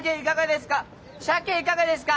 鮭いかがですか！